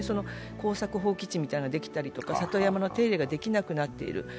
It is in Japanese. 耕作放棄地みたいなのができたりとか里山の手入れができなくなっている。